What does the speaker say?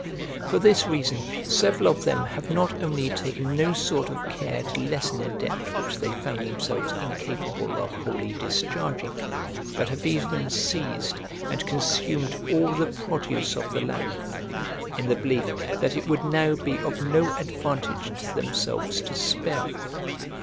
For this reason several of them have not only taken no sort of care to lessen a debt which they found themselves incapable of wholly discharging, but have even seized and consumed all the produce of the land, in the belief that it would now be of no advantage to themselves to spare it.